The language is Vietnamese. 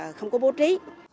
cấp tre là không có bố trí